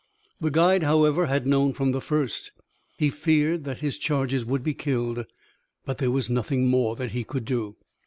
The guide, however, had known from the first. He feared that his charges would be killed, but there was nothing more that he could do.